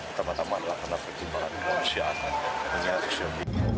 utama tama adalah karena perjumpaan keunsyahan